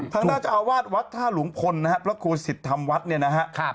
ทางน่าจะเอาวาดวัดท่าหลวงพลนะครับพระครูสิทธิ์ธรรมวัดเนี่ยนะครับ